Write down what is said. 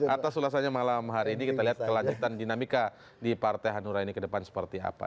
atas ulasannya malam hari ini kita lihat kelanjutan dinamika di partai hanura ini ke depan seperti apa